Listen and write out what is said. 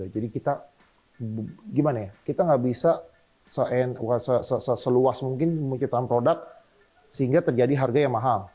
jadi kita gimana ya kita gak bisa seluas mungkin menciptakan produk sehingga terjadi harga yang mahal